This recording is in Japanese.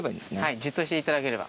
じっとしていただければ。